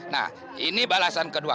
nah ini balasan kedua